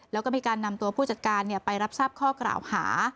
แล้วก็มีการนำตัวผู้จัดการไปรับทราบข้อกล่าวหา